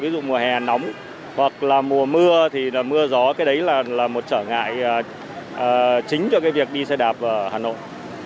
ví dụ mùa hè nóng hoặc là mùa mưa thì là mưa gió cái đấy là một trở ngại chính cho cái việc đi xe đạp ở hà nội